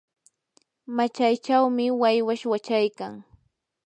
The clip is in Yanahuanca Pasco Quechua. machaychawmi waywash wachaykan.